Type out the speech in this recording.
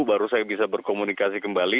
baru saya bisa berkomunikasi kembali